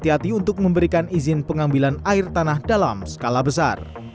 hati hati untuk memberikan izin pengambilan air tanah dalam skala besar